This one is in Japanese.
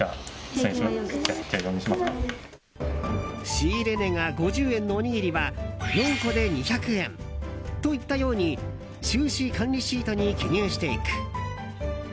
仕入れ値が５０円のおにぎりは４個で２００円といったように収支管理シートに記入していく。